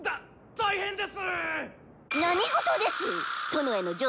大変です！